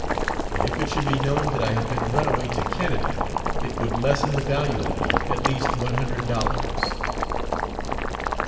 And if it should be known that I had been a runaway to Canada, it would lessen the value of me at least one hundred dollars.